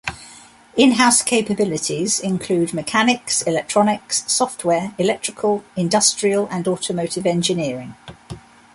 In house capabilities include mechanics, electronics, software, electrical, industrial and automotive engineering.